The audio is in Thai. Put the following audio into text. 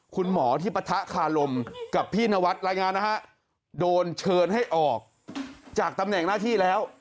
คุณหมอที่ปะทะคารมกับพี่นวัดรายงานนะฮะโดนเชิญให้ออกจากตำแหน่งหน้าที่แล้ว